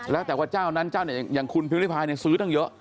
แล้วแต่ว่าเจ้านั้นเจ้าเนี่ยอย่างคุณพิวริพายซื้อตั้งเยอะ